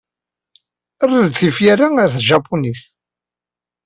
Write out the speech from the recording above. Err-d tifyar-a ɣer tjapunit.